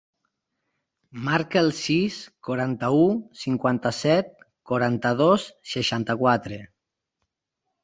Marca el sis, quaranta-u, cinquanta-set, quaranta-dos, seixanta-quatre.